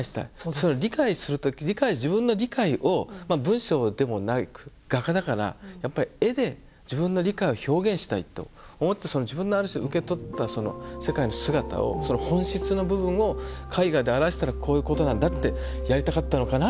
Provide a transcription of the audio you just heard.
その理解する時自分の理解を文章でもなく画家だからやっぱり絵で自分の理解を表現したいと思って自分のある種受け取ったその世界の姿をその本質の部分を絵画で表したらこういうことなんだってやりたかったのかな。